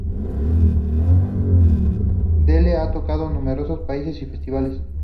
Dele ha tocado en numerosos países y festivales.